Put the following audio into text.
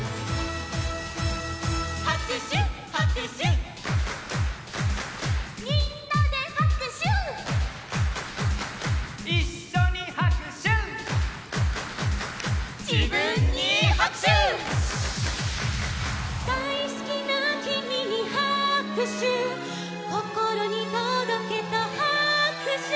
「はくしゅはくしゅ」「みんなではくしゅ」「いっしょにはくしゅ」「じぶんにはくしゅ」「だいすきなキミにはくしゅ」「こころにとどけとはくしゅ」